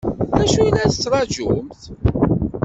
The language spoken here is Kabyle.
D acu i la tettṛaǧumt?